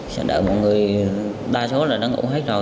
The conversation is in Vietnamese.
sẽ đợi mọi người đa số là đã ngủ hết rồi